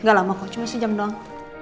gak lama kok cuma sejam doang